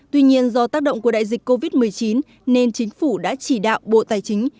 tuy nhiên do tác động của đại dịch covid một mươi chín nên chính phủ đã chỉ đạo bộ tài chính